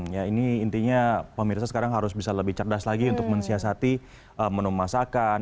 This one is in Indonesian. ya ini intinya pemirsa sekarang harus bisa lebih cerdas lagi untuk mensiasati menu masakan